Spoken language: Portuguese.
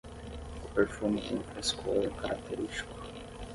O perfume tem um frescor característico